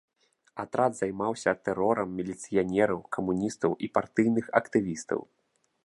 Атрад займаўся тэрорам міліцыянераў, камуністаў і партыйных актывістаў.